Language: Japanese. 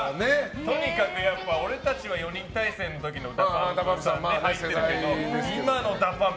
とにかく俺たちは４人体制の時のＤＡＰＵＭＰを知ってるけど今のＤＡＰＵＭＰ